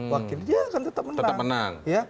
wakilnya akan tetap menang